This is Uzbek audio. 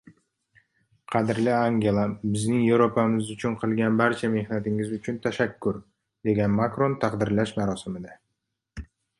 “Qadrli Angela, bizning Yevropamiz uchun qilgan barcha mehnatingiz uchun tashakkur”, — degan Makron taqdirlash marosimida